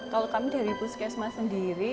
kalau kami dari puskesmas sendiri